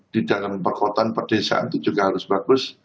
di dalam perkotaan perdesaan itu juga harus bagus